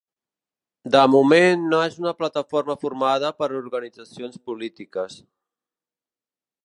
De moment no és una plataforma formada per organitzacions polítiques.